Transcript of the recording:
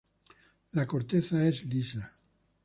La corteza es lisa.